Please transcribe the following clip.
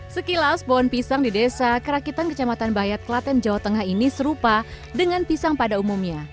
sekilas pohon pisang di desa kerakitan kecamatan bayat klaten jawa tengah ini serupa dengan pisang pada umumnya